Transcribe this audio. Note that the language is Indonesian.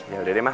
yaudah deh mah